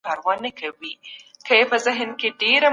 که علما نه وای هڅول سوي، ټولنه به وروسته پاته وای.